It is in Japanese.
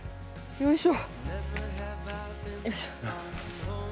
よいしょ。